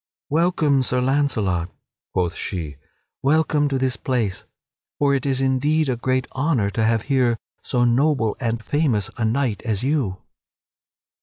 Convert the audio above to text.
"Welcome, Sir Launcelot!" quoth she; "welcome to this place! For it is indeed a great honor to have here so noble and famous a knight as you!"